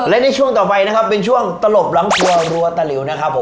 และในช่วงต่อไปนะครับเป็นช่วงตลบหลังครัวรัวตะหลิวนะครับผม